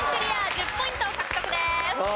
１０ポイント獲得です。